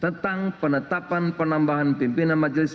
tentang penetapan penambahan pimpinan majelis